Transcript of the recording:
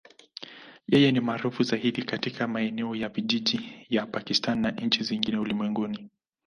Yeye ni maarufu zaidi katika maeneo ya vijijini ya Pakistan na nchi zingine ulimwenguni.